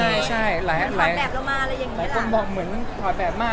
ใช่ใช่หลายหลายคนนมองเหมือนพอแบบมา